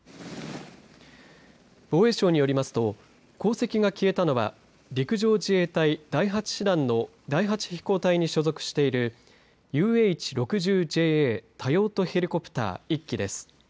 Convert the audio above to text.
防衛省によりますと航跡が消えたのは陸上自衛隊第８師団の第８飛行隊に所属しているＵＨ６０ＪＡ多用途ヘリコプター１機です。